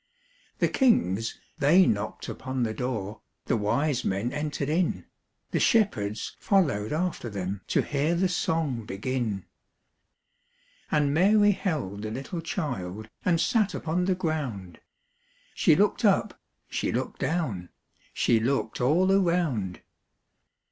The kings they knocked upon the door, The wise men entered in, The shepherds followed after them To hear the song begin. And Mary held the little child And sat upon the ground; She looked up, she looked down, She looked all around.